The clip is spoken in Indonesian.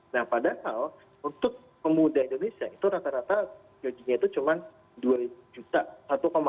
nah padahal untuk pemuda indonesia itu rata rata gajinya itu cuma dua juta